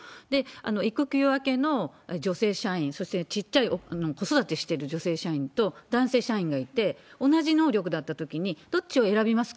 育休明けの女性社員、そして小っちゃい子育てしてる女性社員と男性社員がいて、同じ能力だったときに、どっちを選びますか？